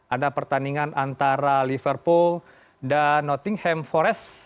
ada pertandingan antara liverpool dan nottingham forest